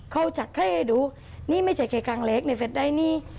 เขาจัดให้ดูนี่ไม่ใช่แค่กลางเล็กในเฟสไลด์นี้